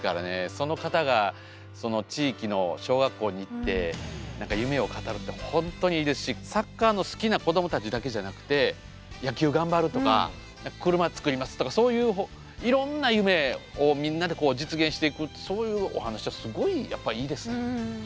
その方がその地域の小学校に行って何か夢を語るって本当にいいですしサッカーの好きな子供たちだけじゃなくて野球頑張るとか車作りますとかそういういろんな夢をみんなでこう実現していくってそういうお話はすごいやっぱりいいですね。